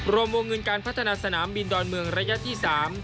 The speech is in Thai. รวมวงเงินการพัฒนาสนามบินดอนเมืองระยะที่๓